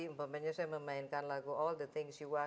mumpamanya saya memainkan lagu all the things you want